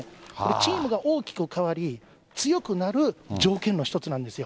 チームが大きく変わり、強くなる条件の１つなんですよ。